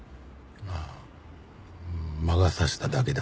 ああ「魔が差しただけだ」